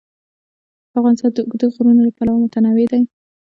افغانستان د اوږده غرونه له پلوه متنوع دی.